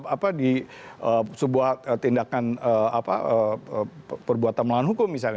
apa di sebuah tindakan perbuatan melawan hukum misalnya